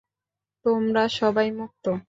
তোমরা সবাই মুক্ত!